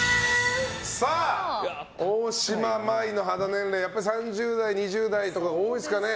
大島麻衣の肌年齢はやっぱり３０代、２０代とか多いですね。